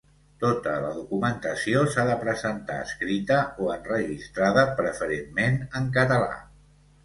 Tota la documentació s'ha de presentar escrita o enregistrada preferentment en català.